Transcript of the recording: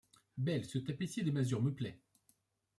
Belle, ce tapissier des masures me plaît.